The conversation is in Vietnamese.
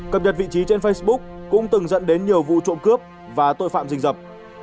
cập nhật vị trí trên facebook cũng từng dẫn đến nhiều vụ trộm cướp và tội phạm rình rập